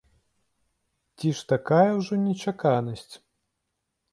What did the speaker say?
Ці ж такая ўжо нечаканасць?